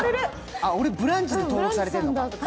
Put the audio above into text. あ、俺、ブランチで登録されてるの。